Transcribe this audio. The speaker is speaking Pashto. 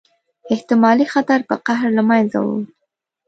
احتمالي خطر په قهر له منځه ووړ.